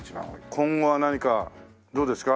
今後は何かどうですか？